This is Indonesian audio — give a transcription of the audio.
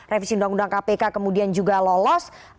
revisi undang undang kpk kemudian juga lolos